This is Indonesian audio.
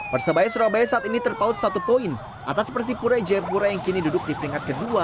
persebaya surabaya surabaya ruben sanadi ini menjadi suntikan untuk kami untuk bisa kasih semua kemampuan kami untuk berpengen hakim buat